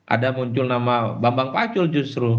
ada muncul nama bambang pacul justru